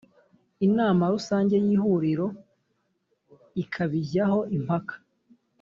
inama rusange y’ ihuriro ikabijyaho impaka.